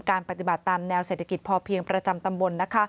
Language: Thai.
ปฏิบัติตามแนวเศรษฐกิจพอเพียงประจำตำบล